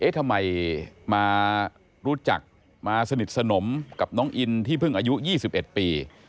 ทำไมมารู้จักมาสนิทสนมกับน้องอินที่เพิ่งอายุ๒๑ปี